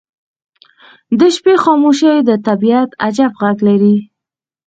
• د شپې خاموشي د طبیعت عجیب غږ لري.